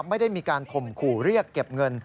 ไม่ได้มีการข่มขู่เรียกเก็บเงิน